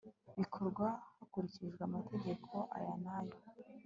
bikorwa hakurikijwe amategeko aya n'aya